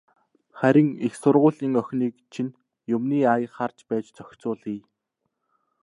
Харин их сургуулийн охиныг чинь юмны ая харж байж зохицуулъя.